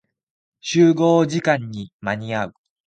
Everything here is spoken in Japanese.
集合時間に間に合う。